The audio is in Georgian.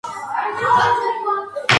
მსოფლიოს ერთ-ერთი ყველაზე ნოტიო ადგილია.